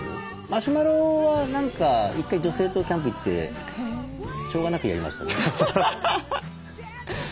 マシュマロは何か１回女性とキャンプ行ってしょうがなくやりましたね。